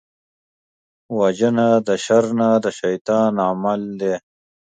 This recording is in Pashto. وژنه د شر نه، د شيطان عمل دی